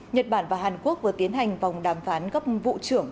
nhật bản và hàn quốc vừa tiến hành vòng đàm phán gấp vụ trưởng